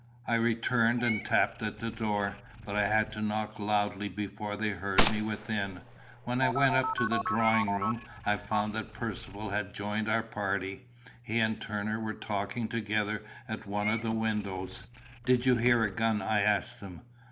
I returned and tapped at the door; but I had to knock loudly before they heard me within. When I went up to the drawing room, I found that Percivale had joined our party. He and Turner were talking together at one of the windows. "Did you hear a gun?" I asked them.